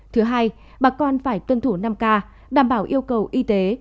thứ hai bà con phải tuân thủ năm k đảm bảo yêu cầu y tế